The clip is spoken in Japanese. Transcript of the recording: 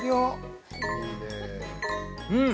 うん。